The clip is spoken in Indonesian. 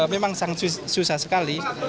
memang sangat susah sekali